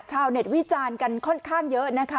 ชาวเน็ตวิจารณ์กันค่อนข้างเยอะนะคะ